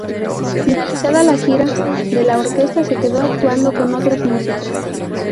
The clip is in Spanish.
Finalizada la gira de la orquesta se quedó actuando con otros músicos.